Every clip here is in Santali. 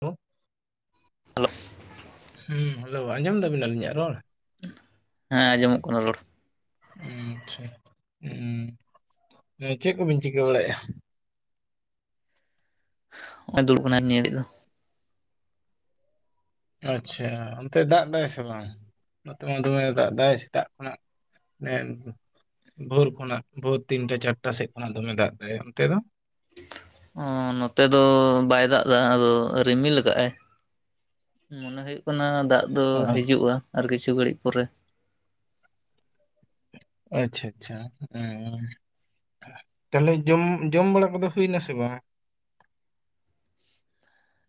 ᱦᱮᱞᱳ ᱦᱩᱸ ᱦᱮᱞᱳ ᱟᱸᱡᱚᱢ ᱫᱟᱵᱤᱱ ᱟᱞᱤᱧᱟᱜ ᱨᱚᱲ ᱦᱮᱸ ᱟᱸᱡᱚᱢᱚᱜ ᱠᱟᱱᱟ ᱨᱚᱲ ᱟᱪᱪᱷᱟ ᱦᱩᱸ ᱪᱮᱫ ᱠᱚᱵᱤᱱ ᱪᱤᱠᱟᱹ ᱵᱟᱲᱟᱭᱮᱜᱼᱟ ᱦᱚᱸᱜ-ᱚᱭ ᱫᱩᱲᱩᱰ ᱟᱠᱟᱱᱟ ᱱᱤᱭᱟ ᱫᱷᱟᱨᱤᱪ ᱫᱚ ᱟᱪᱪᱷᱟ ᱚᱱᱛᱮ ᱫᱟᱜ ᱮᱫᱟᱭ ᱥᱮ ᱵᱟᱝ ᱱᱚᱛᱮ ᱢᱟ ᱫᱚᱢᱮᱜ ᱫᱟᱜ ᱮᱫᱟᱭ ᱥᱮᱛᱟᱜ ᱠᱷᱚᱱᱟᱜ ᱵᱷᱳᱨ ᱠᱷᱚᱱᱟᱜ ᱵᱷᱳᱨ ᱛᱤᱱᱴᱟ ᱪᱟᱨᱴᱟ ᱥᱮᱫ ᱠᱷᱚᱱᱟᱜ ᱫᱚᱢᱮ ᱫᱟᱜ ᱫᱟᱲᱟ ᱚᱱᱛᱮ ᱫᱚ ᱚ, ᱱᱚᱛᱮ ᱫᱚ ᱵᱟᱭ ᱫᱟᱜ ᱮᱫᱟ ᱟᱫᱚ ᱨᱤᱢᱤᱞ ᱠᱟᱜ-ᱟᱭ ᱢᱚᱱᱮ ᱦᱩᱭᱩᱜ ᱠᱟᱱᱟ ᱫᱟᱜ ᱫᱚ ᱟ- ᱦᱤᱡᱩᱜᱼᱟ ᱟᱨ ᱠᱤᱪᱷᱩ ᱜᱷᱟᱹᱲᱤᱡ ᱯᱚᱨᱮ ᱟᱪᱪᱷᱟ ᱟᱪᱪᱷᱟ ᱚᱸᱻ ᱛᱟᱦᱚᱞᱮ ᱡᱚᱢ ᱡᱚᱢ ᱵᱟᱲᱟ ᱠᱚᱫᱚ ᱦᱩᱭ ᱮᱱᱟ ᱥᱮ ᱵᱟᱝ?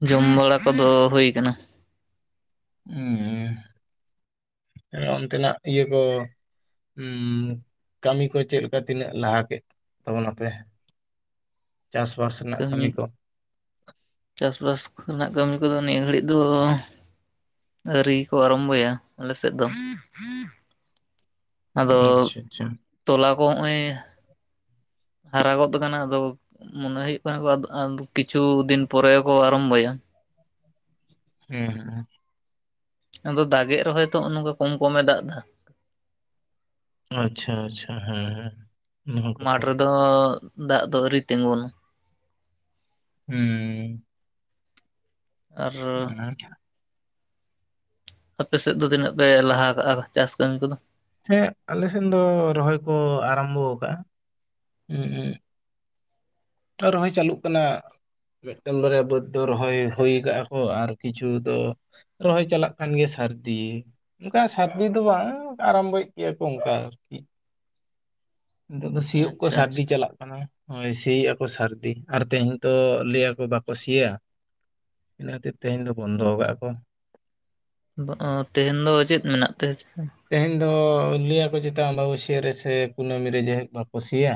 ᱡᱚᱢ ᱵᱟᱲᱟ ᱠᱚᱫᱚ ᱦᱩᱭ ᱠᱟᱱᱟ ᱩᱸᱻ ᱚᱱᱛᱮᱱᱟᱜ ᱤᱭᱟᱹ ᱠᱚ ᱦᱩᱸᱻ ᱠᱟᱹᱢᱤ ᱠᱚ ᱪᱮᱫ ᱞᱮᱠᱟ ᱛᱤᱱᱟᱹᱜ ᱞᱟᱦᱟ ᱠᱮᱫ ᱛᱟᱵᱚᱱᱟᱯᱮ ᱪᱟᱥᱵᱟᱥ ᱨᱮᱱᱟᱜ ᱠᱟᱹᱢᱤ ᱠᱚ ᱪᱟᱥᱵᱟᱥ [unintelligible] ᱨᱮᱱᱟᱜ ᱠᱟᱹᱢᱤ ᱠᱚᱫᱚ ᱱᱤᱭᱟᱹ ᱜᱷᱟᱹᱲᱤᱡ ᱫᱚ ᱟᱹᱨᱤ ᱠᱚ ᱟᱨᱟᱢᱵᱷᱚᱭᱟ ᱟᱞᱮ ᱥᱮᱫ ᱫᱚ ᱟᱫᱚ ᱟᱪᱪᱷᱟ ᱟᱪᱪᱷᱟ ᱛᱚᱞᱟ ᱠᱚ ᱦᱚᱜ-ᱚᱭ ᱦᱟᱨᱟ ᱜᱚᱫ ᱟᱠᱟᱱᱟ ᱟᱫᱚ ᱢᱚᱱᱮ ᱦᱩᱭᱩᱜ ᱠᱟᱱᱟ ᱠᱤᱪᱷᱩ ᱫᱤᱱ ᱯᱚᱨᱮ ᱠᱚ ᱟᱨᱟᱢᱵᱚᱭᱟ ᱦᱮᱸ ᱦᱮᱸ ᱟᱫᱚ ᱫᱟᱜᱮᱫ ᱨᱮᱦᱚᱭ ᱛᱚ ᱱᱝᱠᱟ ᱠᱚᱢ ᱠᱚᱢᱮ ᱫᱟᱜ ᱮᱫᱟ ᱟᱪᱷᱟ ᱟᱪᱷᱟ ᱦᱮᱸ ᱦᱮᱸ ᱚᱱᱟ ᱦᱚᱸ ᱠᱟᱛᱷᱟ ᱢᱟᱴᱷ ᱜᱮ᱾ ᱨᱮᱫᱚ ᱫᱟᱜ ᱫᱚ ᱟᱹᱣᱨᱤ ᱛᱤᱸᱜᱩᱱᱟ ᱦᱩᱸ ᱟᱨ ᱟᱯᱮ ᱥᱮᱫ ᱫᱚ ᱛᱤᱱᱟᱹᱜ ᱯᱮ ᱞᱟᱦᱟ ᱠᱟᱜ-ᱟ ᱪᱟᱥ ᱠᱟᱹᱢᱤ ᱠᱚᱫᱚ ᱦᱮᱸ ᱟᱞᱮᱥᱱ ᱫᱚ ᱨᱚᱦᱚᱭ ᱠᱚ ᱟᱨᱟᱢᱵᱚ ᱟᱠᱟᱫᱟ ᱨᱮᱦᱚᱭ ᱪᱟᱹᱞᱩᱜ ᱠᱟᱱᱟ ᱢᱤᱫᱴᱮᱱ ᱵᱟᱨᱭᱟ ᱵᱟᱹᱫᱽ ᱫᱚ ᱨᱚᱦᱚᱭ ᱦᱩᱭ ᱟᱠᱟᱜ-ᱟ ᱠᱚ ᱟᱨ ᱠᱤᱪᱷᱩ ᱫᱚ ᱨᱚᱦᱚᱭ ᱪᱟᱞᱟᱜ ᱠᱟᱱ ᱜᱮᱭᱟ ᱥᱟᱹᱨᱫᱤ ᱚᱱᱠᱟ ᱥᱟᱨᱫᱤ ᱫᱚ ᱵᱟᱝ ᱟᱨᱟᱢᱵᱚᱭᱮᱫ ᱜᱮᱭᱟ ᱠᱚ ᱚᱱᱠᱟ ᱟᱨᱠᱤ ᱱᱤᱛᱚᱜ ᱫᱚ ᱥᱤᱭᱳᱜ ᱠᱚ ᱟᱪᱪᱷᱟ ᱥᱟᱹᱨᱫᱤ ᱟᱪᱪᱷᱟ ᱪᱟᱞᱟᱜ ᱠᱟᱱᱟ ᱱᱚᱭ ᱥᱤ ᱮᱫᱟ ᱠᱚ ᱥᱟᱹᱨᱫᱤ ᱟᱨ ᱛᱮᱦᱮᱧ ᱛᱚ ᱞᱟᱹᱭᱟᱚ ᱵᱟᱠᱚ ᱥᱤᱭᱟ ᱤᱱᱟᱹ ᱠᱷᱟᱹᱛᱤᱨ ᱛᱮᱦᱧ ᱫᱚ ᱵᱚᱱᱫᱚ ᱠᱟᱜ-ᱟ ᱠᱚ ᱛᱮᱦᱮᱧ ᱫᱚ ᱪᱮᱫ ᱢᱮᱱᱟᱜ ᱛᱮ? ᱛᱮᱦᱮᱧ ᱫᱚ ᱞᱟᱹᱭᱟᱠᱚ ᱪᱮᱛᱟᱱ ᱵᱟᱹᱵᱟ ᱵᱟᱥᱤᱭᱟ ᱨᱮ ᱥᱮ ᱠᱩᱱᱟᱹᱢᱤ ᱨᱮ ᱡᱮᱦ ᱵᱟᱠᱚ ᱥᱤᱭᱟ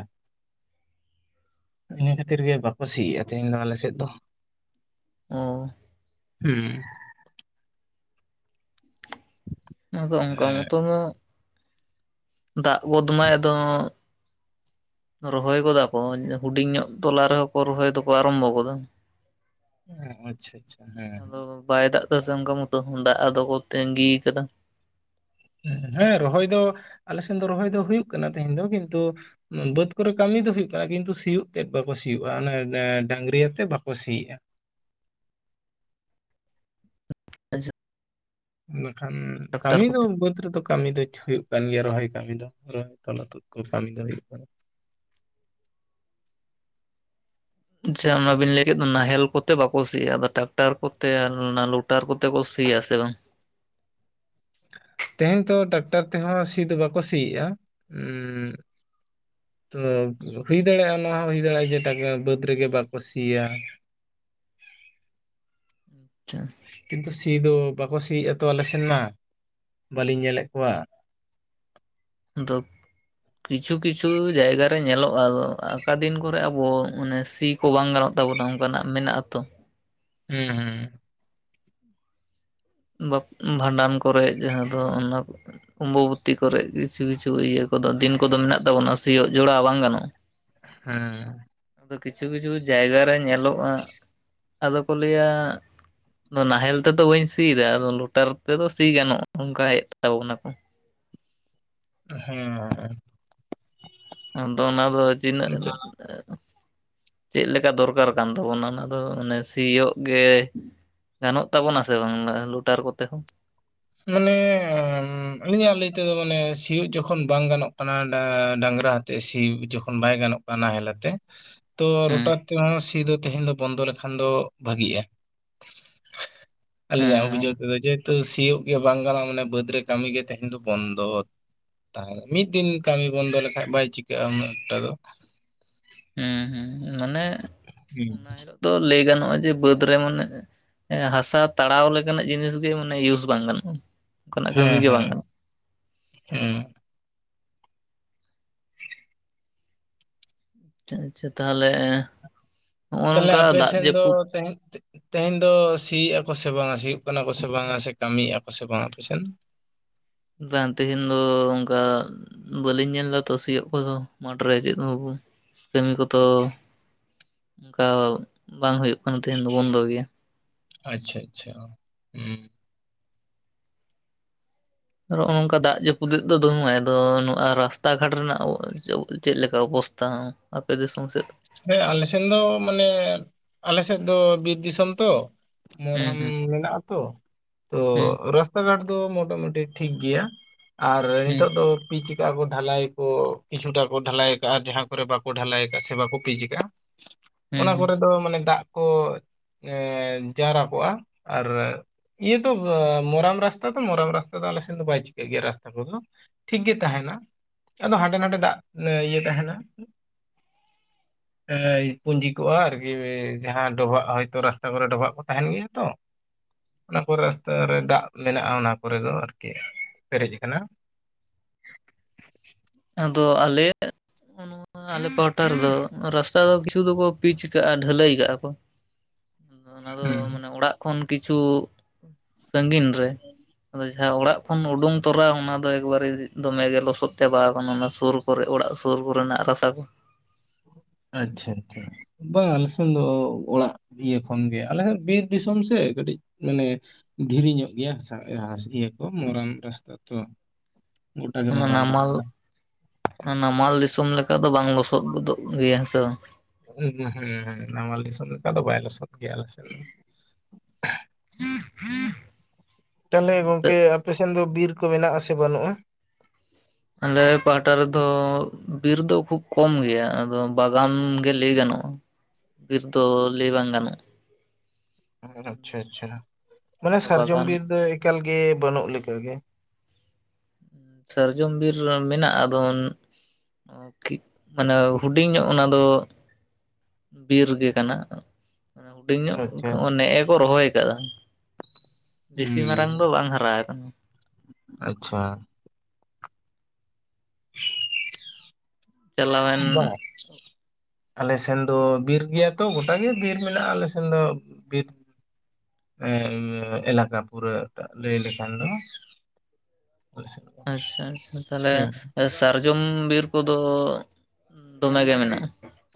ᱤᱱᱟᱹ ᱠᱷᱟᱹᱛᱤᱨ ᱜᱮ ᱵᱟᱠᱚ ᱥᱤᱭᱮᱫ-ᱟ ᱛᱮᱦᱤᱧ ᱫᱚ ᱟᱞᱮ ᱥᱮᱫ ᱫᱚ ᱚ ᱦᱩᱸ ᱟᱫᱚ ᱚᱱᱠᱟ ᱢᱚᱛ ᱫᱚ ᱫᱟᱜ ᱜᱚᱫᱢᱟᱭ ᱟᱫᱚ ᱨᱚᱦᱚᱭ ᱜᱚᱫᱟ ᱠᱚ ᱦᱩᱰᱤᱧ ᱧᱚᱜ ᱛᱚᱞᱟ ᱨᱮᱦᱚᱸ ᱠᱚ ᱨᱚᱦᱚᱭ ᱫᱚᱠᱚ ᱟᱨᱟᱢᱵᱷᱚ ᱜᱚᱫᱟ ᱚ ᱟᱪᱷᱟ ᱟᱪᱷᱟ ᱦᱮᱸ ᱟᱫᱚ ᱦᱮᱸ ᱵᱟᱭ ᱫᱟᱜ ᱮᱫᱟ ᱥᱮ ᱚᱱᱠᱟ ᱢᱛᱚ ᱦᱚᱸ ᱫᱟᱜ ᱟᱫᱚ ᱠᱚ ᱛᱟᱸᱜᱤ ᱠᱟᱫᱟ ᱦᱮᱸ ᱨᱚᱦᱚᱭ ᱫᱚ ᱟᱞᱮ ᱥᱮᱱ ᱫᱚ ᱨᱚᱦᱚᱭ ᱫᱚ ᱦᱩᱭᱩᱜ ᱠᱟᱱᱟ ᱛᱮᱦᱮᱧ ᱫᱚ ᱠᱤᱱᱛᱩ ᱵᱟᱹᱫᱽ ᱠᱚᱨᱮ ᱠᱟᱹᱢᱤ ᱫᱚ ᱦᱩᱭᱩᱜ ᱠᱟᱱᱟ ᱠᱤᱱᱛᱩ ᱥᱤᱭᱳᱜ ᱛᱮᱫ ᱵᱟᱠᱚ ᱥᱤᱭᱳᱜ-ᱟ ᱚᱱᱮ ᱰᱟᱝᱨᱤᱭᱟᱛᱮᱫ ᱵᱟᱠᱚ ᱥᱤᱭᱚᱜ-ᱟ ᱟ [unintelligible] ᱢᱮᱱᱠᱷᱟᱱ ᱠᱟᱹᱢᱤ ᱫᱚ ᱠᱚᱛᱮ ᱜᱤᱫᱽᱨᱟᱹ ᱫᱚ ᱠᱟᱹᱢᱤ ᱫᱚ ᱦᱩᱭᱩᱜ ᱠᱟᱱ ᱜᱮᱭᱟ ᱨᱚᱦᱚᱭ ᱠᱟᱹᱢᱤ ᱫᱚ ᱨᱚᱦᱚᱭ ᱛᱞᱟ ᱛᱳᱫᱠᱚ ᱠᱟᱹᱢᱤ ᱫᱚ ᱦᱩᱭᱩᱜ ᱠᱟᱱᱟ ᱪ ᱚᱱᱟᱵᱤᱱ ᱞᱟᱹᱭ ᱠᱮᱫ ᱫᱚ ᱱᱟᱦᱮᱞ ᱠᱚᱛᱮ ᱵᱟᱠᱚ ᱥᱤᱭᱟ ᱟᱫᱚ ᱴᱟᱠᱴᱟᱨ ᱠᱚᱛᱮ ᱟᱨ ᱚᱱᱟ ᱞᱳᱴᱟᱨ ᱠᱚᱛᱮ ᱠᱚ ᱥᱤᱭᱟ ᱥᱮ ᱵᱟᱝ ᱛᱮᱦᱮᱧ ᱛᱚ ᱴᱟᱠᱴᱟᱨ ᱛᱮᱦᱚᱸ ᱥᱤ ᱫᱚ ᱵᱟᱠᱚ ᱥᱤᱭᱮᱫ-ᱟ ᱛᱚ ᱦᱩᱭ ᱫᱟᱲᱮᱭᱟᱜᱼᱟ ᱚᱱᱟ ᱦᱚᱸ ᱦᱩᱭ ᱫᱟᱲᱮᱭᱟᱜᱼᱟ ᱡᱮ ᱵᱟᱹᱫᱽ ᱨᱮᱜᱮ ᱵᱟᱠᱚ ᱥᱤᱭᱟ᱾ [unintelligible] ᱠᱤᱱᱛᱩ ᱥᱤ ᱫᱚ ᱵᱟᱠᱚ ᱥᱤᱭᱮᱜᱼᱟ ᱛᱚ ᱟᱞᱮ ᱥᱮᱱ ᱢᱟ ᱵᱟᱹᱞᱤᱧ ᱧᱮᱞᱮᱜ ᱠᱚᱣᱟ ᱫᱚ ᱠᱤᱪᱷᱩ ᱠᱤᱪᱷᱩ ᱡᱟᱭᱜᱟ ᱨᱮ ᱧᱮᱞᱚᱜᱼᱟ ᱚᱠᱟ ᱫᱤᱱ ᱠᱚᱨᱮᱜ ᱟᱵᱚ ᱢᱟᱱᱮ ᱥᱤ ᱠᱚ ᱵᱟᱝ ᱜᱟᱱᱚᱜ ᱛᱟᱵᱚᱱᱟ ᱚᱱᱠᱟᱱᱼᱟᱜ ᱢᱮᱱᱟᱜ ᱟ ᱛᱚ ᱦᱮᱸ ᱦᱩᱸ ᱵᱷᱟᱸᱰᱟᱱ ᱠᱚᱨᱮᱫ ᱡᱟᱦᱟᱸ ᱫᱚ ᱚᱱᱟ ᱟᱢᱵᱚᱵᱛᱤ ᱠᱚᱨᱮᱫ ᱠᱤᱪᱷᱩ ᱠᱤᱪᱷᱩ ᱤᱭᱟᱹ ᱠᱚᱫᱚ ᱫᱤᱱ ᱠᱚᱫᱚ ᱢᱮᱱᱟᱜ ᱛᱟᱵᱚᱱᱟ ᱥᱤᱭᱳᱜ ᱡᱚᱲᱟᱣ ᱵᱟᱝ ᱜᱟᱱᱚᱜ ᱦᱩᱸ ᱟᱫᱚ ᱠᱤᱪᱷᱩ ᱠᱤᱪᱷᱩ ᱡᱟᱭᱜᱟ ᱨᱮ ᱧᱮᱞᱚᱜ-ᱟ ᱟᱫᱚ ᱠᱚ ᱞᱟᱹᱭᱟ ᱱᱟᱦᱮᱞ ᱛᱮᱫᱚ ᱵᱟᱹᱧ ᱥᱟ ᱟᱫᱚ ᱞᱳᱴᱟᱨ ᱛᱮᱫᱚ ᱥᱤ ᱜᱟᱱᱚᱜ-ᱟ ᱚᱱᱠᱟ ᱦᱮᱡ ᱛᱟᱵᱚᱱᱟ ᱠᱚ ᱦᱮᱸ ᱟᱫᱚ ᱚᱱᱟ ᱫᱚ ᱛᱤᱱᱟᱹᱜ [inaudible] ᱪᱮᱫᱮ ᱞᱮᱠᱟ ᱫᱚᱨᱠᱟᱨ ᱠᱟᱱ ᱛᱟᱵᱚᱱᱟ ᱚᱱᱟ ᱫᱚ ᱢᱟᱱᱮ ᱥᱤᱭᱚᱜ ᱜᱮ ᱜᱟᱱᱚᱜ ᱛᱟᱵᱚᱱᱟ ᱥᱮ ᱵᱟᱝ ᱞᱩᱴᱟᱨ ᱠᱚᱛᱮ ᱦᱚᱸ ᱢᱟᱱᱮ ᱟᱹᱞᱤᱧᱟᱜ ᱞᱟᱹᱭᱛᱮᱫᱚ ᱢᱟᱱᱮ ᱥᱤᱭᱳᱜ ᱡᱚᱠᱷᱚᱱ ᱵᱟᱝ ᱜᱟᱱᱚᱜ ᱠᱟᱱᱟ ᱰᱟᱝᱨᱟ ᱟᱛᱮᱫ ᱥᱤᱭ ᱡᱚᱠᱷᱚᱱ ᱵᱟᱭ ᱜᱟᱱᱚᱜ ᱠᱟᱱᱟ ᱱᱟᱦᱮᱞ ᱟᱛᱮ ᱛᱚ ᱦᱩᱸ ᱨᱩᱴᱟᱨ ᱛᱮᱦᱚᱸ ᱥᱤ ᱫᱚ ᱛᱮᱦᱮᱧ ᱫᱚ ᱵᱚᱱᱫᱚ ᱞᱮᱠᱷᱟᱱ ᱫᱚ ᱵᱷᱟᱹᱜᱤᱜᱼᱟ [inaudible] ᱟᱞᱮᱭᱟᱜ ᱦᱮᱸ ᱡᱮᱦᱚᱛᱩᱭ ᱥᱤᱭᱩᱜ ᱤᱭᱟᱹ ᱵᱟᱝ ᱜᱟᱱᱚᱜᱼᱟ ᱢᱟᱱᱮ ᱵᱟᱹᱫᱽ ᱨᱮ ᱠᱟᱹᱢᱤ ᱜᱮ ᱛᱮᱦᱮᱧ ᱫᱚ ᱵᱚᱱᱫᱚ ᱛᱟᱦᱮᱸᱱᱟ ᱢᱤᱫ ᱫᱤᱱ ᱠᱟᱹᱢᱤ ᱵᱚᱱᱫᱚ ᱞᱮᱠᱷᱟᱡ ᱵᱟᱭ ᱪᱤᱠᱟᱹᱜᱼᱟ ᱩᱱᱟᱹᱜ ᱮᱠᱴᱟ ᱫᱚ ᱦᱮᱸ ᱦᱮᱸ ᱢᱟᱱᱮ ᱦᱩᱸ ᱚᱱᱟ ᱦᱤᱞᱳᱜ ᱫᱚ ᱞᱟᱹᱭ ᱜᱟᱱᱚᱜᱼᱟ ᱡᱮ ᱵᱟᱹᱫᱽ ᱨᱮ ᱢᱟᱱᱮ ᱦᱟᱥᱟ ᱛᱟᱲᱟᱣ ᱞᱮᱠᱟᱱᱼᱟᱜ ᱡᱤᱱᱤᱥ ᱜᱮ ᱢᱟᱱᱮ ᱤᱭᱩᱥ ᱵᱟᱝ ᱜᱟᱱᱚᱜᱼᱟ ᱚᱱᱠᱟᱱᱟᱜ ᱠᱟᱹᱢᱤ ᱦᱮᱸ ᱜᱮ ᱵᱟᱝ ᱦᱮᱸ ᱜᱟᱱᱚᱜᱼᱟ ᱦᱮᱸ᱾ ᱟᱪᱪᱷᱟ ᱟᱪᱪᱷᱟ, ᱛᱟᱦᱚᱞᱮ ᱱᱚᱜᱼᱚ ᱛᱟᱞᱦᱮ ᱱᱚᱝᱠᱟ ᱟᱯᱮ ᱫᱟᱜ ᱥᱮᱱ ᱫᱚ ᱡᱟᱹᱯᱩᱫ ᱛᱮᱦᱮᱧ ᱛᱮᱦᱮᱧ ᱫᱚ ᱥᱤᱭᱮᱜᱼᱟ ᱠᱚ ᱥᱮ ᱵᱟᱝᱟ ᱥᱤᱭᱩᱜ ᱠᱟᱱᱟ ᱠᱚ ᱥᱮ ᱵᱟᱝᱟ ᱥᱮ ᱠᱟᱹᱢᱤᱭᱮᱜᱼᱟ ᱠᱚ ᱥᱮ ᱵᱟᱝ ᱟᱯᱮ ᱥᱮᱱ ᱵᱟᱝ ᱛᱮᱦᱤᱧ ᱫᱚ ᱚᱱᱠᱟ ᱵᱟᱹᱞᱤᱧ ᱧᱮᱞ ᱫᱟ ᱛᱚ ᱥᱤᱭᱳᱜ ᱠᱚᱫᱚ ᱢᱟᱴᱷᱨᱮ ᱪᱮᱫ ᱵᱟᱠᱚ ᱠᱟᱹᱢᱤ ᱠᱚᱛᱚ ᱚᱱᱠᱟ ᱵᱟᱝ ᱦᱩᱭᱩᱜ ᱠᱟᱱᱟ ᱛᱮᱦᱧ ᱫᱚ ᱵᱚᱱᱫᱚ ᱜᱮᱭᱟ᱾ ᱟᱪᱪᱷᱟ ᱟᱪᱪᱷᱟ, ᱦᱩᱸ ᱟᱨ ᱱᱚᱜᱼᱚ ᱱᱚᱝᱠᱟ ᱫᱟᱜ ᱡᱟᱹᱯᱩᱫ ᱮᱫ ᱫᱚ ᱫᱚᱢᱮ ᱟᱫᱚ ᱱᱚᱣᱟ ᱨᱟᱥᱛᱟ ᱜᱷᱟᱴ ᱨᱮᱱᱟᱜ ᱪᱮᱫ ᱞᱮᱠᱟ ᱚᱵᱚᱥᱛᱟ ᱟᱯᱮ ᱫᱤᱥᱚᱢ ᱥᱮᱜ ᱦᱮᱸ ᱟᱞᱮ ᱥᱮᱱ ᱫᱚ ᱢᱟᱱᱮ ᱟᱞᱮ ᱥᱮᱫ ᱫᱚ ᱵᱤᱨ ᱫᱤᱥᱚᱢ ᱛᱚ ᱦᱩᱸ ᱢᱚᱨᱟᱢ ᱦᱩᱸ ᱢᱮᱱᱟᱜ ᱟ ᱛᱚ ᱛᱚ ᱦᱩᱸ ᱨᱟᱥᱛᱟ ᱜᱷᱟᱴ ᱫᱚ ᱫᱚ ᱢᱚᱴᱟ ᱢᱩᱴᱤ ᱴᱷᱤᱠ ᱜᱮᱭᱟ ᱟᱨ ᱦᱩᱸ ᱱᱤᱛᱚᱜ ᱫᱚ ᱯᱤᱪ ᱰᱷᱟᱞᱟᱭ ᱠᱚ ᱠᱤᱪᱷᱩᱴᱟ ᱠᱚ ᱰᱷᱟᱞᱟᱭ ᱠᱟᱜᱼᱟ ᱟᱨ ᱡᱟᱦᱟᱸ ᱠᱚᱨᱮ ᱵᱟᱠᱚ ᱰᱷᱟᱞᱟᱭ ᱟᱠᱟᱜᱼᱟ ᱥᱮ ᱵᱟᱠᱚ ᱯᱤᱪ ᱠᱟᱜᱼᱟ ᱦᱮᱸ ᱚᱱᱟ ᱦᱮᱸ ᱠᱚᱨᱮ ᱫᱚ ᱢᱟᱱᱮ ᱫᱟᱜ ᱠᱚ ᱡᱟᱣᱨᱟ ᱠᱚᱜᱼᱟ ᱟᱨ ᱤᱭᱟᱹ ᱫᱚ ᱢᱚᱨᱟᱢ ᱨᱟᱥᱛᱟ ᱛᱚ ᱢᱚᱨᱟᱢ ᱨᱟᱥᱛᱟ ᱫᱚ ᱟᱞᱮ ᱥᱮᱱ ᱫᱚ ᱵᱟᱭ ᱪᱤᱠᱟᱹᱜ ᱜᱮᱭᱟ ᱨᱟᱥᱛᱟ ᱠᱚᱫᱚ ᱴᱷᱤᱠᱜ ᱜᱮ ᱛᱟᱦᱮᱸᱱᱟ ᱟᱫᱚ ᱦᱟᱸᱰᱮ ᱱᱟᱰᱮ ᱫᱟᱜ ᱢᱟᱱᱮ ᱤᱭᱟᱹ ᱛᱟᱦᱮᱸᱱᱟ᱾ ᱮᱸ ᱯᱩᱸᱡᱤ ᱠᱚᱜᱼᱟ ᱟᱨᱠᱤ ᱡᱟᱦᱟᱸ ᱰᱚᱵᱷᱟᱜ ᱦᱚᱭᱛᱳ ᱨᱟᱥᱛᱟ ᱠᱚᱨᱮ ᱰᱚᱵᱷᱟᱜ ᱠᱚ ᱛᱟᱦᱮᱸᱱ ᱜᱮᱭᱟ ᱛᱚ᱾ ᱚᱱᱟ ᱠᱚ ᱨᱟᱥᱛᱟ ᱨᱮ ᱫᱟᱜ ᱢᱮᱱᱟᱜᱼᱟ ᱚᱱᱟ ᱠᱚᱨᱮ ᱫᱚ ᱟᱨᱠᱤ ᱯᱮᱨᱮᱡ ᱠᱟᱱᱟ ᱟᱫᱚ ᱟᱞᱮ ᱱᱚᱣᱟ ᱟᱞᱮ ᱯᱟᱦᱴᱟ ᱨᱮᱫᱚ ᱨᱟᱥᱛᱟ ᱫᱚ ᱠᱤᱪᱷᱩ ᱫᱚᱠᱚ ᱯᱤᱪ ᱠᱟᱜᱼᱟ ᱰᱷᱟᱹᱞᱟᱹᱭ ᱠᱟᱜᱼᱟ ᱠᱚ ᱚᱱᱟ ᱫᱚ ᱦᱩᱸ ᱢᱟᱱᱮ ᱚᱲᱟᱜ ᱠᱷᱚᱱ ᱠᱤᱪᱷᱩ ᱥᱟᱹᱜᱤᱧ ᱨᱮ ᱡᱟᱦᱟᱸ ᱚᱲᱟᱜ ᱠᱷᱚᱱ ᱩᱰᱩᱝ ᱛᱚᱨᱟ ᱚᱱᱟ ᱫᱚ ᱮᱠᱵᱟᱨᱮ ᱫᱚᱢᱮ ᱜᱮ ᱞᱚᱥᱚᱫ ᱪᱟᱵᱟ ᱚᱱᱟ ᱥᱩᱨ ᱠᱚᱨᱮᱜ ᱚᱲᱟᱜ ᱥᱩᱨ ᱠᱚ ᱨᱮᱱᱟᱜ ᱨᱟᱥᱟ ᱠᱚ ᱟᱪᱪᱷᱟ ᱟᱪᱪᱷᱟ ᱵᱟᱝ ᱟᱞᱮ ᱥᱮᱱ ᱫᱚ ᱚᱲᱟᱜ ᱤᱭᱟᱹ ᱠᱷᱚᱱ ᱜᱮ ᱟᱞᱮ ᱫᱚ ᱵᱤᱨ ᱫᱤᱥᱚᱢ ᱥᱮ ᱠᱟᱹᱴᱤᱡ ᱢᱟᱱᱮ ᱫᱷᱤᱨᱤ ᱧᱚᱜ ᱜᱮᱭᱟ ᱦᱟᱥ ᱤᱭᱟᱹ ᱠᱚ ᱢᱚᱨᱟᱢ ᱨᱟᱥᱛᱟ ᱛᱚ ᱜᱚᱴᱟ ᱜᱮ ᱢᱚᱨᱟᱢ ᱱᱟᱢᱟᱞ ᱨᱟᱥᱛᱟ ᱱᱟᱢᱟᱞ ᱫᱤᱥᱚᱢ ᱞᱮᱠᱟ ᱫᱚ ᱵᱟᱝ ᱞᱚᱥᱚᱫ ᱛᱳᱫ ᱜᱚᱫᱚᱜ ᱜᱮᱭᱟ ᱦᱮ ᱥᱮ ᱵᱟᱝ ᱦᱩᱸ ᱱᱟᱢᱟᱞ ᱫᱤᱥᱚᱢ ᱞᱮᱠᱟ ᱠᱟᱫᱚ ᱵᱟᱭ ᱞᱚᱥᱚᱫ ᱜᱮᱭᱟ ᱟᱞᱮᱥᱮᱫ ᱫᱚ ᱾ ᱛᱟᱞᱦᱮ ᱟᱫᱚ ᱱᱚᱛᱮ ᱜᱚᱝᱠᱮ ᱟᱯᱮ ᱥᱮᱱ ᱫᱚ ᱵᱤᱨ ᱠᱚ ᱢᱮᱱᱟᱜ ᱟ ᱥᱮ ᱵᱟᱹᱱᱩᱜᱼᱟ? ᱟᱞᱮ ᱯᱟᱦᱴᱟ ᱨᱮᱫᱚ ᱵᱤᱨ ᱫᱚ ᱠᱷᱩᱵ ᱠᱚᱢ ᱜᱮᱭᱟ ᱟᱫᱚ ᱵᱟᱜᱟᱱ ᱜᱮ ᱞᱟᱹᱭ ᱜᱟᱱᱚᱜᱼᱟ ᱵᱤᱨ ᱫᱚ ᱞᱟᱹᱭ ᱵᱟᱝ ᱜᱟᱱᱚᱜᱼᱟ ᱟᱪᱪᱷᱟ ᱟᱪᱪᱷᱟ ᱢᱟᱱᱮ ᱥᱟᱨᱡᱚᱢ ᱵᱟᱜᱟᱱ ᱵᱤᱨ ᱫᱚ ᱮᱠᱟᱞ ᱜᱮ ᱵᱟᱹᱱᱩᱜ ᱞᱮᱠᱟ ᱜᱮ ᱥᱟᱨᱡᱚᱢ ᱵᱤᱨ ᱢᱮᱱᱟᱜᱼᱟ ᱟᱫᱚ [unintelligible] ᱢᱟᱱᱮ ᱦᱩᱰᱤᱧ ᱧᱚᱜ ᱚᱱᱟ ᱫᱚ, ᱵᱤᱨ ᱜᱮ ᱠᱟᱱᱟ ᱦᱩᱰᱤᱧ ᱟᱪᱪᱷᱟ ᱧᱚᱜ ᱱᱮᱜ ᱮ ᱠᱚ ᱨᱚᱦᱚᱭ ᱠᱟᱫᱟ᱾ ᱵᱤᱥᱤ ᱢᱟᱨᱟᱝ ᱦᱩᱸ ᱫᱚ ᱵᱟᱝ ᱦᱟᱨᱟ ᱟᱠᱟᱱᱟ ᱟᱪᱪᱷᱟ [inaudible] ᱪᱟᱞᱟᱣᱮᱱ ᱵᱟ ᱟᱞᱮ ᱥᱮᱱ ᱫᱚ ᱵᱤᱨ ᱜᱮᱭᱟ ᱛᱚ ᱜᱚᱴᱟ ᱜᱮ ᱵᱤᱨ ᱢᱮᱱᱟᱜ-ᱟ ᱾ ᱟᱞᱮ ᱥᱮᱱ ᱫᱚ ᱵᱤᱨ ᱮ ᱮᱞᱟᱠᱟ ᱯᱩᱨᱟᱹ ᱴᱟᱜ ᱞᱮ ᱞᱮᱠᱷᱟᱱ ᱫᱚ ᱟᱞᱮ ᱥᱮᱫ ᱫᱚ ᱟᱪᱪᱷᱟ ᱟᱪᱪᱷᱟ ᱛᱟᱦᱚᱞᱮ ᱦᱮᱸ ᱥᱟᱨᱡᱚᱢ ᱵᱤᱨ ᱠᱚᱫᱚ ᱫᱚᱢᱮ ᱜᱮ ᱢᱮᱱᱟᱜ-ᱟ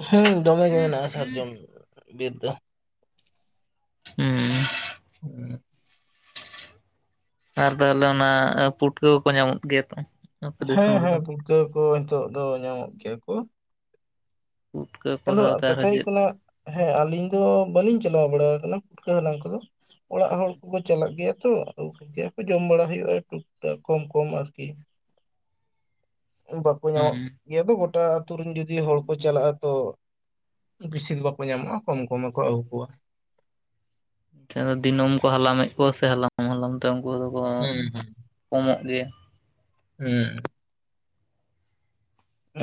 ᱦᱩᱸ ᱫᱚᱢᱮ ᱜᱮ ᱢᱮᱱᱟᱜ-ᱟ ᱥᱟᱨᱡᱚᱢ ᱵᱤᱨ ᱫᱚ ᱦᱩᱸ [inaudible] ᱟᱨ ᱛᱟᱦᱚᱞᱮ ᱚᱱᱟ ᱯᱩᱴᱠᱟᱹ ᱠᱚᱠᱚ ᱧᱟᱢᱚᱜ ᱜᱮᱭᱟ ᱛᱚ ᱟᱯᱮ ᱦᱮᱸ ᱫᱤᱥᱚᱢ ᱦᱮᱸ ᱨᱮᱫᱚ ᱯᱩᱴᱠᱟᱹ ᱠᱚ ᱱᱤᱛᱚᱜ ᱫᱚ ᱧᱟᱢᱚᱜ ᱜᱮᱭᱟ ᱠᱚ ᱯᱩᱴᱠᱟᱹ ᱠᱚ ᱥᱟᱶᱛᱮ [unintelligible] ᱟᱨᱦᱚᱸ ᱠᱟᱛᱷᱟ ᱦᱩᱭᱩᱜ ᱪᱮᱫ ᱠᱟᱱᱟ ᱦᱮᱸ ᱟᱹᱞᱤᱧ ᱫᱚ ᱵᱟᱹᱞᱤᱧ ᱪᱟᱞᱟᱣ ᱵᱟᱲᱟ ᱠᱟᱱᱟ ᱯᱷᱩᱴᱠᱟᱹ ᱦᱟᱞᱟᱝ ᱠᱚᱫᱚ ᱾ ᱚᱲᱟᱜ ᱦᱚᱸ ᱩᱱᱠᱩ ᱠᱚ ᱪᱟᱞᱟᱜ ᱜᱮᱭᱟ ᱛᱚ [unintelligible] ᱡᱚᱢ ᱵᱟᱲᱟ ᱦᱩᱭᱩᱜ-ᱟ ᱴᱩᱠ ᱴᱟᱠᱟ ᱠᱚᱢ ᱠᱚᱢ ᱟᱨᱠᱤ ᱵᱟᱠᱚ ᱧᱟᱢᱚᱜ ᱜᱮᱭᱟ ᱜᱚᱴᱟ ᱟᱛᱩ ᱨᱮᱱ ᱡᱩᱫᱤ ᱦᱚᱲᱠᱚ ᱪᱟᱞᱟᱜ-ᱟ ᱛᱚ ᱵᱮᱥᱤ ᱫᱚ ᱵᱟᱠᱚ ᱧᱟᱢᱚᱜ-ᱟ ᱠᱚᱢ ᱠᱚᱢ ᱜᱮᱠᱚ ᱟᱹᱜᱩ ᱠᱚᱣᱟ ᱤᱧ ᱴᱷᱮᱱ ᱫᱚ ᱫᱤᱱᱟᱹᱢ ᱠᱚ ᱦᱟᱞᱟᱢᱮᱫ ᱠᱚᱣᱟ ᱥᱮ ᱦᱟᱞᱟᱝ ᱦᱟᱞᱟᱝ ᱛᱮ ᱩᱱᱠᱩ ᱫᱚᱠᱚ ᱦᱩᱸ ᱦᱩᱸ ᱠᱚᱢᱚᱜ ᱜᱮᱭᱟ ᱦᱩᱸ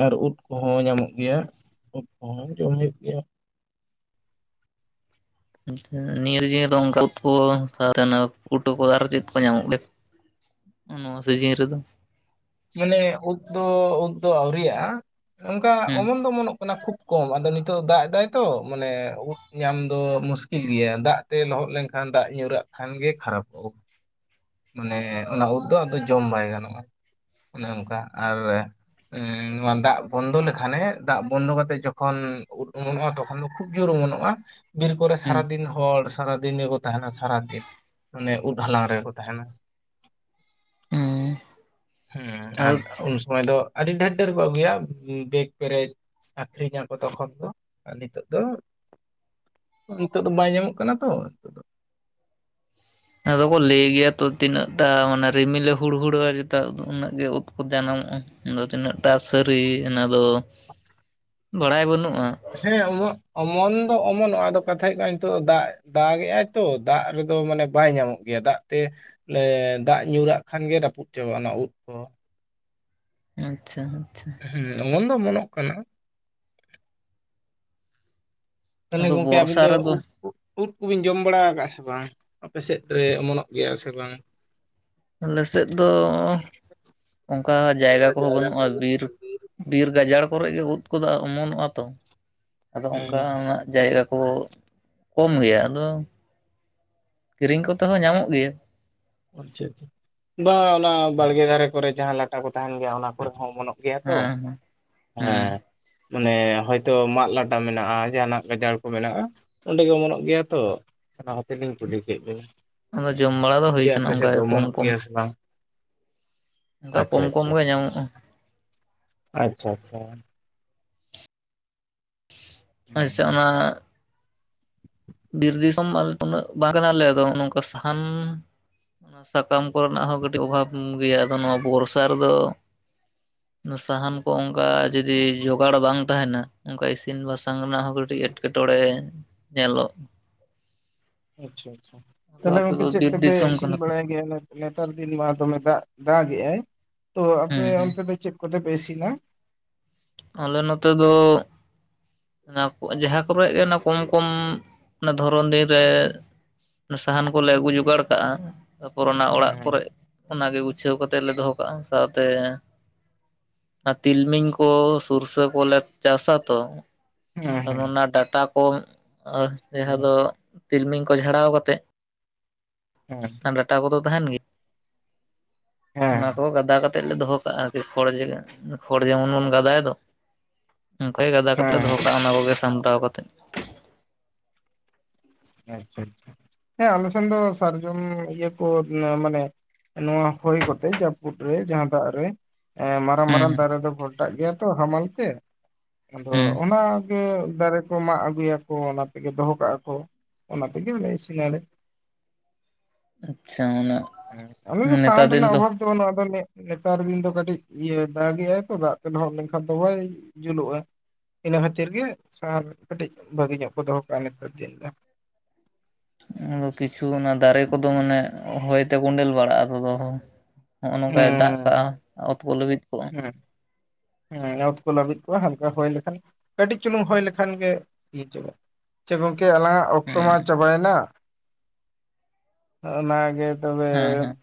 ᱟᱨ ᱩᱫ ᱠᱚᱦᱚᱸ ᱧᱟᱢᱚᱜ ᱜᱮᱭᱟ ᱩᱫ ᱠᱚᱦᱚᱸ ᱡᱚᱢ ᱦᱩᱭᱩᱜ ᱜᱮᱭᱟ, ᱱᱤᱭᱟᱹ ᱥᱤᱡᱤᱱ ᱨᱮᱫᱚᱱ ᱚᱱᱠᱟ ᱩᱫ ᱥᱟᱣᱛᱮ [unintelligible] ᱟᱨ ᱪᱮᱫ ᱠᱚ ᱧᱟᱢᱚᱜ ᱜᱮᱭᱟ ᱦᱚᱜ ᱱᱚᱣᱟ ᱥᱤᱡᱤᱱ ᱨᱮᱫᱚ ᱢᱟᱱᱮ ᱳᱫ ᱫᱚ ᱳᱫ ᱫᱚ ᱟᱹᱣᱨᱤᱭᱟᱜ-ᱟ ᱚᱱᱠᱟ ᱦᱩᱸ ᱚᱢᱚᱱ ᱫᱚ ᱚᱢᱚᱱᱚᱜ ᱚᱱᱟ ᱠᱷᱩᱵ ᱠᱚᱢ ᱟᱫᱚ ᱱᱤᱛᱚᱜ ᱫᱟᱜ ᱮᱫᱟᱭ ᱛᱚ, ᱢᱟᱱᱮ ᱩᱫ ᱧᱟᱢ ᱫᱚ ᱢᱩᱥᱠᱤᱞ ᱜᱮᱭᱟ ᱫᱟᱜ ᱛᱮ ᱞᱚᱦᱚᱫ ᱞᱮᱱᱠᱷᱟᱱ ᱫᱟᱜ ᱧᱩᱨᱟᱜ ᱠᱷᱟᱱ ᱜᱮ ᱠᱷᱟᱨᱟᱯᱚᱜ ᱢᱟᱱᱮ ᱚᱱᱟ ᱩᱫ ᱫᱚ ᱟᱫᱚ ᱡᱚᱢ ᱵᱟᱭ ᱜᱟᱱᱚᱜᱼᱟ ᱾ ᱚᱱᱮ ᱚᱱᱠᱟ ᱟᱨ ᱮᱸ ᱱᱚᱣᱟ ᱫᱟᱜ ᱵᱚᱱᱫᱚ ᱞᱮᱠᱷᱟᱱᱮ ᱫᱟᱜ ᱵᱚᱱᱫᱚ ᱠᱟᱛᱮᱜ ᱡᱚᱠᱷᱚᱱ ᱩᱫ ᱚᱢᱚᱱᱚᱜ-ᱟ ᱛᱚᱠᱷᱚᱱ ᱫᱚ ᱠᱷᱩᱵ ᱡᱳᱨ ᱚᱢᱚᱱᱚᱜ-ᱟ ᱵᱤᱨ ᱠᱚᱨᱮ ᱦᱩᱸ ᱥᱟᱨᱟᱫᱤᱱ ᱦᱚᱲ, ᱥᱟᱨᱟᱫᱤᱱ ᱜᱮᱠᱚ ᱛᱟᱦᱮᱱᱟ, ᱥᱟᱨᱟᱫᱤᱱ ᱢᱟᱱᱮ ᱩᱫ ᱦᱟᱞᱟᱝ ᱨᱮ ᱛᱟᱦᱮᱱᱟ ᱦᱩᱸ ᱦᱩᱸ ᱟᱨ ᱟᱫᱚ ᱩᱱᱥ ᱚᱠᱚᱭ ᱫᱚ ᱟᱹᱰᱤ ᱰᱷᱮᱨ ᱰᱷᱮᱨ ᱠᱚ ᱟᱹᱜᱩᱭᱟ ᱵᱮᱜᱽ ᱯᱮᱨᱮᱡ ᱟᱠᱷᱨᱤᱧᱟᱠᱚ ᱛᱚᱠᱷᱚᱱ ᱫᱚ ᱟᱨ ᱱᱤᱛᱚᱜ ᱫᱚ ᱱᱤᱛᱚᱜ ᱫᱚ ᱵᱟᱭ ᱧᱟᱢᱚᱜ ᱠᱟᱱᱟ ᱛᱚ ᱟᱫᱚ ᱠᱚ ᱞᱟᱹᱭ ᱜᱮᱭᱟ ᱛᱚ ᱛᱤᱱᱟᱹᱜ ᱴᱟ ᱢᱟᱱᱮ ᱨᱤᱢᱤᱞᱮ ᱦᱩᱲᱦᱩᱲᱟᱹᱣᱟ ᱪᱮᱛᱟ ᱩᱱᱟᱹᱜ ᱜᱮ ᱩᱫ ᱠᱚ ᱡᱟᱱᱟᱢᱚᱜ-ᱟ᱾ ᱟᱫᱚ ᱛᱤᱱᱟᱹᱜᱴᱟ ᱥᱟᱹᱨᱤ ᱚᱱᱟ ᱫᱚ ᱵᱟᱲᱟᱭ ᱵᱟᱹᱱᱩᱜ-ᱟ, ᱦᱮᱸ ᱚᱢᱚ ᱚᱢᱚᱱ ᱫᱚ ᱚᱢᱚᱱᱚᱜ-ᱟ ᱟᱫᱚ ᱠᱟᱛᱷᱟ ᱦᱩᱭᱩᱜ ᱠᱟᱱᱟ ᱱᱤᱛᱚᱜ ᱫᱚ ᱫᱟᱜ ᱫᱟᱜ ᱮᱫᱟᱭ ᱛᱚ ᱫᱟᱜ ᱨᱮᱫᱚ ᱢᱟᱱᱮ ᱵᱟᱭ ᱧᱟᱢᱚᱜ ᱜᱮᱭᱟ ᱫᱟᱜ ᱛᱮ ᱮ ᱫᱟᱜ ᱧᱩᱨᱟᱜ ᱠᱷᱟᱱ ᱜᱮ ᱨᱟᱹᱯᱩᱫ ᱪᱟᱵᱟᱜᱼᱟ ᱚᱱᱟ ᱩᱫ ᱠᱚ ᱾ ᱟᱪᱪᱷᱟ ᱟᱪᱪᱷᱟ ᱦᱮᱸ ᱚᱢᱚᱱ ᱫᱚ ᱚᱢᱚᱱᱚᱜ ᱠᱟᱱᱟ ᱛᱟᱦᱚᱞᱮ ᱟᱫᱚ ᱜᱚᱝᱠᱮ ᱟᱵᱤᱱ ᱵᱚᱨᱥᱟ ᱫᱚ ᱨᱮᱫᱚ ᱩᱫ ᱠᱩ ᱩᱫ ᱠᱚᱵᱤᱱ ᱡᱚᱢ ᱵᱟᱲᱟ ᱟᱠᱟᱫᱜᱮᱭᱟ ᱥᱮ ᱵᱟᱝ, ᱟᱯᱮ ᱥᱮᱫ ᱨᱮ ᱚᱢᱚᱱᱚᱜ ᱜᱮᱭᱟ ᱥᱮ ᱵᱟᱝ ᱟᱞᱮ ᱥᱮᱫ ᱫᱚ, ᱚᱝᱠᱟ ᱡᱟᱭᱜᱟ ᱠᱚᱦᱚᱸ ᱵᱟᱹᱱᱩᱜᱼᱟ ᱵᱤᱨ ᱵᱤᱨ ᱜᱟᱡᱟᱲ ᱠᱚᱨᱮ ᱜᱮ ᱩᱫ ᱠᱚᱫᱚ ᱚᱢᱚᱱᱚᱜᱼᱟ ᱛᱚ ᱟᱫᱚ ᱦᱩᱸ ᱚᱱᱠᱟᱱᱟᱜ ᱡᱟᱭᱜᱟ ᱠᱚᱦᱚᱸ ᱠᱚᱢ ᱜᱮᱭᱟ ᱟᱫᱚ ᱠᱤᱨᱤᱧ ᱠᱚᱛᱮ ᱦᱚᱸ ᱧᱟᱢᱚᱜ ᱜᱮᱭᱟ ᱾ ᱟᱪᱷᱟ ᱪᱟ ᱵᱟ ᱚᱱᱟ ᱵᱟᱲᱜᱮ ᱫᱷᱟᱨᱮ ᱠᱚᱨᱮ ᱡᱟᱦᱟᱸ ᱞᱟᱴᱟ ᱠᱚ ᱛᱟᱦᱮᱱ ᱜᱮᱭᱟ ᱚᱱᱟ ᱠᱚᱨᱮ ᱦᱚᱸ ᱚᱢᱚᱱᱚᱜ ᱜᱮᱭᱟ ᱛᱚ ᱦᱮᱸ ᱦᱮᱸ ᱢᱟᱱᱮ ᱦᱚᱭᱛᱚ ᱢᱟᱫ ᱞᱟᱴᱟ ᱢᱮᱱᱟᱜ-ᱟ ᱡᱟᱦᱟᱸᱱᱟᱜ ᱜᱟᱡᱟᱲ ᱠᱚ ᱢᱮᱱᱟᱜ-ᱟ ᱟᱹᱰᱤᱜᱮ ᱚᱢᱚᱱᱚᱜ ᱜᱮᱭᱟ ᱛᱚ ᱚᱱᱟ ᱠᱷᱟ. ᱛᱤᱨ ᱜᱤᱧ ᱠᱩᱞᱤ ᱠᱮᱫ ᱢᱮᱭᱟ ᱟᱫᱚ ᱡᱚᱢ ᱵᱟᱲᱟ ᱫᱚ ᱦᱩᱭ ᱠᱟᱱᱟ ᱚᱱᱠᱟᱜᱮ ᱠᱚᱢ ᱚᱢᱚᱱᱚᱜ ᱠᱚᱢ ᱜᱮᱭᱟ ᱥᱮ ᱵᱟᱝ ᱚᱱᱠᱟ ᱟᱪᱪᱷᱟ ᱠᱚᱢ ᱠᱚᱢ ᱟᱪᱪᱷᱟ ᱜᱮ ᱟᱪᱪᱷᱟ ᱧᱟᱢᱚᱜᱼᱟ ᱟᱪᱪᱷᱟ ᱟᱪᱪᱷᱟ ᱟᱪᱷᱟ ᱚᱱᱟ ᱵᱤᱨ ᱫᱤᱥᱚᱢ ᱟᱞᱮ ᱩᱱᱟᱹᱜ ᱵᱟᱝ ᱠᱟᱱᱟᱞᱮ ᱟᱫᱚ ᱚᱱ ᱚᱝᱠᱟ ᱥᱟᱦᱟᱱ ᱚᱱᱟ ᱥᱟ ᱥᱟᱠᱟᱢ ᱠᱚᱨᱮᱱᱟᱜ ᱦᱚᱸ ᱠᱟᱹᱴᱤᱡ ᱚᱵᱷᱟᱵᱽ ᱜᱮᱭᱟ ᱟᱫᱚ ᱱᱚᱣᱟ ᱵᱷᱚᱨᱥᱟ ᱨᱮᱫᱚ ᱥᱟᱦᱟᱱ ᱠᱚ ᱚᱝᱠᱟ ᱡᱩᱫᱤ ᱡᱚᱜᱟᱲ ᱵᱟᱝ ᱛᱟᱦᱮᱱᱟ᱾ ᱚᱝᱠᱟ ᱤᱥᱤᱱ ᱵᱟᱥᱟᱝ ᱨᱮᱱᱟᱜ ᱦᱚᱸ ᱠᱟᱹᱴᱤᱡ ᱮᱴᱠᱮᱴᱚᱬᱮ ᱧᱮᱞᱚᱜ ᱟᱪᱷᱟ ᱟᱪᱷᱟ ᱟᱫᱚ ᱛᱟᱦᱚᱞᱮ ᱟᱯᱮ ᱜᱚᱝᱠᱮ ᱫᱚ ᱪᱮᱫ ᱵᱤᱨ ᱛᱮᱯᱮ ᱫᱤᱥᱚᱢ ᱤᱥᱤᱱ ᱠᱟᱱᱟ ᱯᱮ ᱵᱟᱲᱟᱭ ᱜᱮᱭᱟ ᱮᱢᱱᱮ ᱱᱮᱛᱟᱨ ᱫᱤᱱ ᱢᱟ ᱫᱚᱢᱮ ᱫᱟᱜ ᱫᱟᱜᱮᱼᱟᱭ ᱛᱚ ᱟᱯᱮ ᱦᱮᱸ ᱦᱮᱸ ᱚᱱᱛᱮ ᱫᱚ ᱪᱮᱫ ᱠᱚᱛᱮᱯᱮ ᱤᱥᱤᱱᱟ ᱟᱞᱮ ᱱᱚᱛᱮ ᱫᱚ ᱚᱱᱟ ᱠᱩ ᱡᱟᱦᱟᱸ ᱠᱚᱨᱮ ᱜᱮ ᱚᱱᱟ ᱠᱚᱢ ᱠᱚᱢ ᱚᱱᱟ ᱫᱷᱚᱨᱚᱱ ᱫᱤᱱ ᱨᱮ ᱥᱟᱦᱟᱱ ᱠᱚᱞᱮ ᱟᱹᱜᱩ ᱡᱚᱜᱟᱲ ᱠᱟᱜᱼᱟ ᱛᱟᱯᱚᱨ ᱚᱱᱟ ᱚᱲᱟᱜ ᱦᱮᱸ ᱠᱚᱨᱮ ᱚᱱᱟ ᱜᱮ ᱜᱩᱪᱷᱟᱹᱣ ᱠᱟᱛ, ᱛᱮ ᱞᱮ ᱫᱚᱦᱚ ᱠᱟᱜᱼᱟ, ᱥᱟᱣᱛᱮ ᱟᱨ ᱛᱤᱞᱢᱤᱧ ᱠᱚ ᱥᱩᱨᱥᱟᱹ ᱠᱚᱞᱮ ᱪᱟᱥᱟ ᱛᱚ᱾ ᱦᱮᱸ ᱟᱫᱚ ᱦᱮᱸ ᱚᱱᱟ ᱰᱟᱴᱟ ᱠᱚ ᱟ ᱡᱟᱦᱟᱸ ᱦᱮᱸ ᱫᱚ ᱛᱤᱞᱢᱤᱧ ᱠᱚ ᱡᱷᱟᱲᱟᱣ ᱠᱟᱛᱮᱜ [unintelligible] ᱚᱱᱟ ᱰᱟᱴᱟ ᱠᱚᱫᱚ ᱛᱟᱦᱮᱱ ᱜᱮ ᱚᱱᱟ ᱦᱮᱸ ᱠᱚᱫᱚ ᱜᱟᱫᱟ ᱠᱟᱛᱮ ᱠᱟᱛᱮᱫ ᱞᱮ ᱫᱚᱦᱚ ᱠᱟᱜᱼᱟ ᱟᱨᱠᱤ ᱠᱷᱚᱲ ᱡᱮ ᱠᱷᱚᱲ ᱡᱮᱢᱚᱱ ᱵᱚᱱ ᱜᱟᱫᱟᱭ ᱫᱚ᱾ ᱚᱝᱠᱟ ᱜᱮ ᱜᱟᱫᱟ ᱠᱟᱛᱮ ᱦᱮᱸ ᱫᱚᱦᱚ ᱠᱟᱜᱼᱟ ᱚᱱᱟ ᱠᱚᱜᱮ ᱥᱟᱢᱴᱟᱣ ᱠᱟᱛᱮᱜ ᱟᱪᱪᱷᱟ ᱟᱪᱪᱷᱟ ᱦᱮᱸ ᱟᱞᱮ ᱥᱮᱱ ᱫᱚ ᱥᱟᱨᱡᱚᱢ ᱤᱭᱟᱹ ᱠᱚ ᱢᱟᱱᱮ ᱱᱚᱣᱟ ᱦᱚᱭ ᱠᱚᱛᱮ ᱡᱟᱹᱯᱩᱫ ᱨᱮ ᱡᱟᱦᱟᱸ ᱫᱟᱜ ᱨᱮ ᱦᱮᱸ ᱢᱟᱨᱟᱝ ᱢᱟᱨᱟᱝ ᱦᱩᱸ ᱫᱟᱨᱮ ᱫᱚ ᱜᱷᱚᱞᱴᱟᱜ ᱜᱮᱭᱟ ᱛᱚ ᱦᱟᱢᱟᱞ ᱛᱮ ᱟᱫᱚ ᱦᱩᱸ ᱚᱱᱟᱜᱮ ᱫᱟᱨᱮ ᱠᱚ ᱢᱟᱜᱽ ᱟᱹᱜᱩᱭᱟ ᱠᱚ ᱚᱱᱟ ᱛᱮᱜᱮ ᱫᱚᱦᱚ ᱠᱟᱜᱼᱟ ᱠᱚ ᱚᱱᱟ ᱛᱮᱜᱮ ᱞᱮ ᱤᱥᱤᱱᱟ ᱞᱮ᱾ ᱟᱪᱪᱷᱟ ᱚᱱᱟ ᱦᱮᱸ ᱟᱞᱮ ᱫᱚ ᱱᱮᱛᱟᱨ ᱥᱟᱦᱟᱱ ᱫᱤᱱ ᱨᱮᱱᱟᱜ ᱫᱚ ᱚᱵᱷᱟᱵᱽ ᱱᱚᱣᱟ ᱫᱚ ᱱᱮᱜ ᱱᱮᱛᱟᱨ ᱫᱤᱱ ᱫᱚ ᱠᱟᱹᱴᱤᱡ ᱤᱭᱟᱹ ᱫᱟᱜᱮᱼᱟᱭ ᱛᱚ ᱫᱟᱜ ᱛᱮ ᱞᱚᱦᱚᱜ ᱞᱮᱱᱠᱷᱟᱱ ᱫᱚ ᱵᱟᱭ ᱡᱩᱞᱩᱜᱼᱟ ᱤᱱᱟᱹ ᱠᱷᱟᱹᱛᱤᱨ ᱜᱮ ᱥᱟᱦᱟᱨ ᱠᱟᱹᱴᱤᱡ ᱵᱷᱟᱹᱜᱤ ᱧᱚᱜ ᱠᱚ ᱫᱚᱦᱚ ᱠᱟᱜᱼᱟ ᱱᱮᱛᱟᱨ ᱫᱤᱱ ᱫᱚ ᱟᱫᱚ ᱠᱤᱪᱷᱩ ᱚᱱᱟ ᱫᱟᱨᱮ ᱠᱚᱫᱚ ᱢᱟᱱᱮ ᱦᱚᱭᱛᱮ ᱠᱚᱸᱰᱮᱞ ᱵᱟᱲᱟᱜᱼᱟ ᱫᱚ ᱦᱚᱸᱜ ᱦᱮᱸ ᱱᱚᱝᱠᱟᱭ ᱫᱟᱜ ᱠᱟᱜᱼᱟ ᱦᱮᱸ ᱚᱛ ᱠᱚ ᱞᱟᱹᱵᱤᱫ ᱠᱚᱜ ᱦᱮᱸ ᱚᱛ ᱠᱚ ᱞᱟᱹᱵᱤᱫ ᱠᱚᱣᱟ ᱦᱟᱱᱠᱟ ᱦᱩᱭ ᱞᱮᱠᱷᱟᱱ ᱠᱟᱹᱴᱤᱡ ᱪᱩᱞᱩᱝ ᱦᱚᱭ ᱞᱮᱠᱷᱟᱱ ᱜᱮ ᱤᱪᱚᱜ ᱟᱪᱷᱟ ᱜᱚᱝᱠᱮ ᱟᱞᱟᱝᱟᱜ ᱚᱠᱛᱚ ᱢᱟ ᱦᱮᱸ ᱪᱟᱵᱟᱭᱱᱟ᱾ ᱳ ᱚᱱᱟᱜᱮ ᱛᱚᱵᱮ ᱦᱮᱸ ᱦᱮᱸ